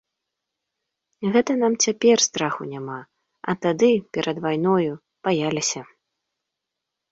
Гэта нам цяпер страху няма, а тады, перад вайною, баяліся.